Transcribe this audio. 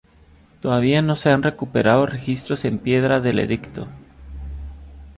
Todavía no se han recuperado registros en piedra del edicto.